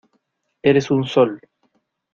eres un sol.